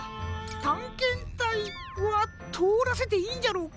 たんけんたいはとおらせていいんじゃろうか？